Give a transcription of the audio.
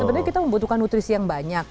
sebenarnya kita membutuhkan nutrisi yang banyak